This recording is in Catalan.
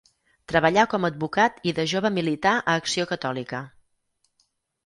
Treballà com a advocat i de jove milità a Acció Catòlica.